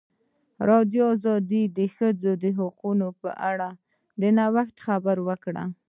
ازادي راډیو د د ښځو حقونه په اړه د نوښتونو خبر ورکړی.